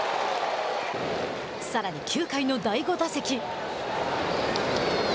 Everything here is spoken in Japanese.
さらに９回の第５打席。